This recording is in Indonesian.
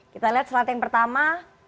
kita lihat slide yang pertama